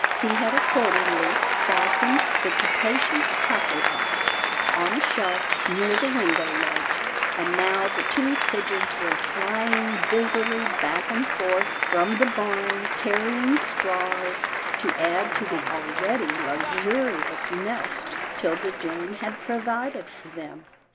He had accordingly fastened the capacious cracker box on a shelf near the window ledge, and now the two pigeons were flying busily back and forth from the barn, carrying straws to add to the already luxurious nest 'Tilda Jane had pro vided for them.